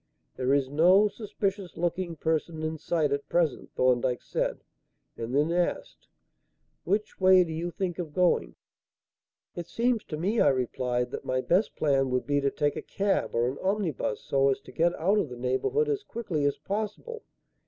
"There is no suspicious looking person in sight at present," Thorndyke said, and then asked: "Which way do you think of going?" "It seems to me," I replied, "that my best plan would be to take a cab or an omnibus so as to get out of the neighbourhood as quickly as possible.